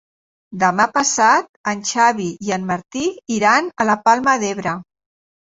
Demà passat en Xavi i en Martí iran a la Palma d'Ebre.